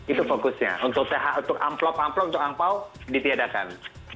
itu fokusnya untuk amplop amplop untuk angpao ditiadakan